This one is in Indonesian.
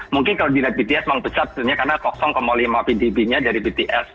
mungkin kalau dilihat bts memang besar sebenarnya karena lima pdb nya dari bts